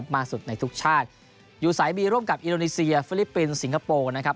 มากสุดในทุกชาติอยู่สายบีร่วมกับอินโดนีเซียฟิลิปปินส์สิงคโปร์นะครับ